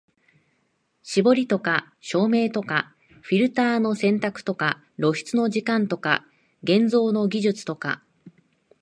絞りとか照明とかフィルターの選択とか露出の時間とか現像の技術とか、